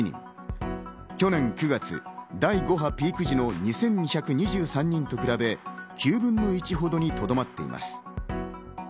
去年９月、第５波ピーク時の２２２３人と比べ、９分の１ほどにとどまっています。